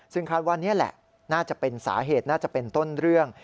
ซึ่งคาดว่านี่แหละน่าจะเป็นสาเหตุน่าจะเป็นต้นเรื่อง